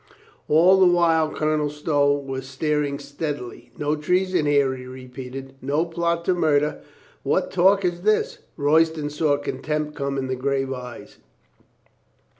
All the while Colonel Stow was staring steadily. "No treason here?" he repeated. "No plot to mur der? What talk is this?" Royston saw contempt come in the grave eyes.